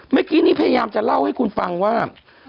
เมื่อกี้นี้พยายามจะเล่าให้คุณฟังว่า